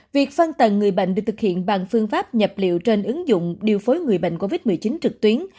việc phân tần người bệnh được thực hiện bằng phương pháp nhập liệu trên ứng dụng điều phối người bệnh covid một mươi chín trực tuyến